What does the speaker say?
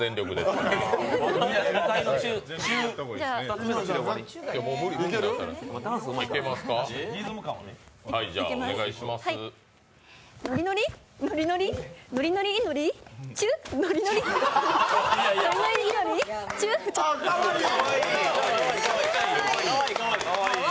かわいい。